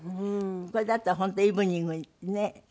これだったら本当イブニングにね。